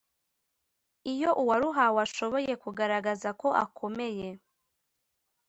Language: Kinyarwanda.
iyo uwaruhawe ashoboye kugaragaza ko akomeye